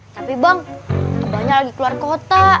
tapi bang kebanyakan lagi keluar kota